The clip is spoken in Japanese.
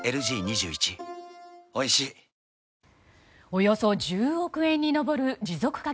およそ１０億円に上る持続化